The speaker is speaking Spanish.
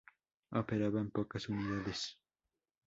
Operaban pocas unidades.